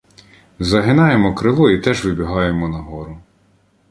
Загинаємо крило і теж вибігаємо на гору.